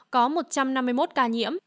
có một trăm năm mươi một ca nhiễm